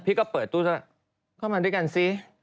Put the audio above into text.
พี่ก็เปิดตู้เข้ามาด้วยกันสิ